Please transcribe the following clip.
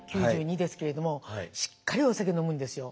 ９２ですけれどもしっかりお酒飲むんですよ。